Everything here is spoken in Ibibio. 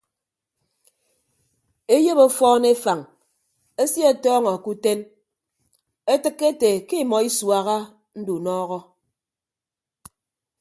Eyop ọfọọn efañ esie ọtọọñọ ke uten etịkke ete ke emọ isuaha ndunọọhọ.